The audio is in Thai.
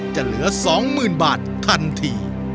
จะเหลือสองหมื่นบาททันที